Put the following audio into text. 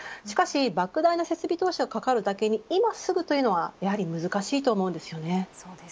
しかし、莫大な設備投資がかかるだけに、今すぐというのはやはり難しいと思います。